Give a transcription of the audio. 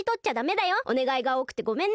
おねがいがおおくてごめんね。